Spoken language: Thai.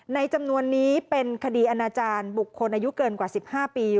จำนวนนี้เป็นคดีอาณาจารย์บุคคลอายุเกินกว่า๑๕ปี